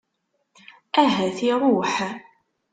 Ahat iṛuḥ.